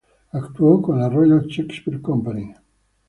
Actuó con la Royal Shakespeare Company.